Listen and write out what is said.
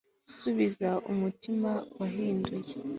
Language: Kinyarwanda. subiza umutima wahinduye